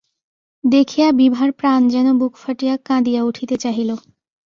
দেখিয়া বিভার প্রাণ যেন বুক ফাটিয়া কাঁদিয়া উঠিতে চাহিল।